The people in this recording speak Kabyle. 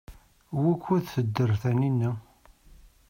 Wukud tedder Taninna?